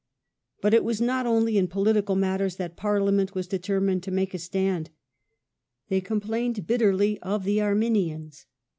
But it was not only in political matters that Parliament was determined to make a stand. They complained bit terly of the "Arminians".